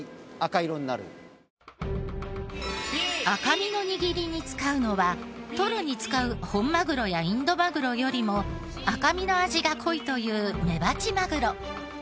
赤身の握りに使うのはトロに使う本マグロやインドマグロよりも赤身の味が濃いというメバチマグロ。